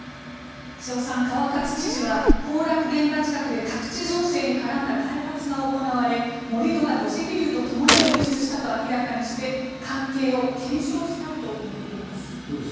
瀬尾さん川勝知事は崩落現場近くで宅地造成に絡んだ開発が行われ盛り土が土石流と共に流出したと明らかにし関係を分析したいとしています。